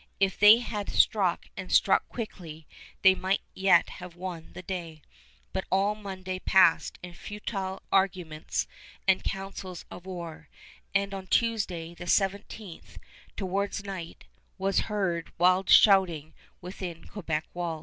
If they had struck and struck quickly, they might yet have won the day; but all Monday passed in futile arguments and councils of war, and on Tuesday, the 17th, towards night, was heard wild shouting within Quebec walls.